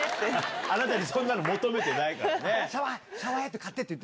あなたにそんなの求めてないからね。